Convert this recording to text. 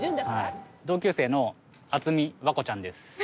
同級生の渥美和子ちゃんです。